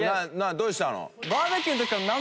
どうしたの？